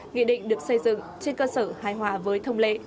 nghị định được xây dựng trên cơ sở hài hòa với thông lệ